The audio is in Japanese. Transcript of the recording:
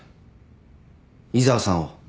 井沢さんを。